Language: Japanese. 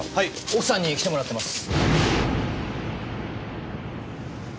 奥さんに来てもらってます。